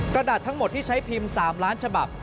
กระดาษทั้งหมดที่ใช้พิมพ์๓ล้านฉบับ